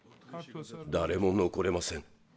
誰も残れません。